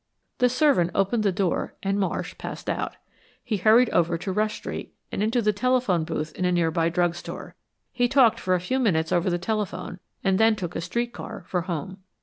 The servant opened the door and Marsh; passed out. He hurried over to Rush Street and into the telephone booth in a nearby drug store. He talked for a few minutes over the telephone and then took a street car for home.